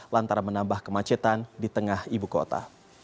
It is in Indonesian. lantaran menambah kemacetan di tengah ibu kota